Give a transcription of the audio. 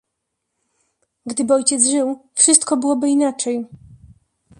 "Gdyby ojciec żył, wszystko byłoby inaczej."